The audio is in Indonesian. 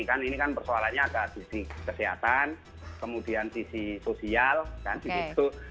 kan ini kan persoalannya ada sisi kesehatan kemudian sisi sosial kan di situ